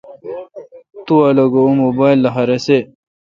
تو لو کہ اں موبایل لخہ رسے۔